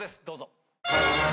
どうぞ。